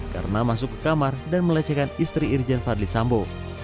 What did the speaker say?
karena masuk ke kamar dan melecehkan istri irjen fadli sambuh